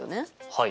はい。